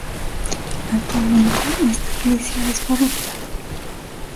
Actualmente, esta iglesia es parroquial.